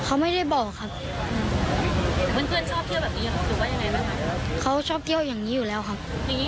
เขาไม่ได้บอกครับโดยเขาชอบเที่ยวอย่างนี้อยู่แล้วครับ